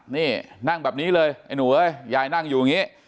นี่นั่งแบบนี้เลยไอ้หนูเอ้ยยายนั่งอยู่อย่างนี้